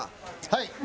はい。